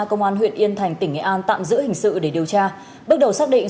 công an huyện yên thành tỉnh nghệ an tạm giữ hình sự để điều tra bước đầu xác định